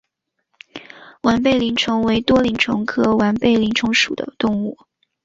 完背鳞虫为多鳞虫科完背鳞虫属的动物。